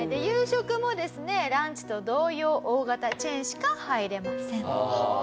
夕食もですねランチと同様大型チェーンしか入れません。